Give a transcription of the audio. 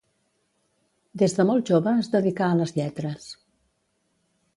Des de molt jove es dedicà a les lletres.